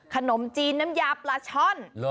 ขนมจีนน้ำยาปลาช่อน